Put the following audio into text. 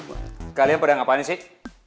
eh kalian pedang apaan sih